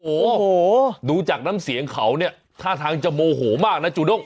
โอ้โหดูจากน้ำเสียงเขาเนี่ยท่าทางจะโมโหมากนะจูด้ง